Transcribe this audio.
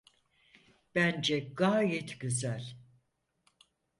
Bence gayet güzel.